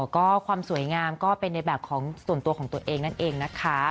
ก็ความสวยงามก็เป็นในแบบของส่วนตัวของตัวเองนั่นเองนะคะ